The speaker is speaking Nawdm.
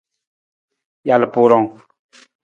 Jalpurung.